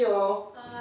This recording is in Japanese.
はい。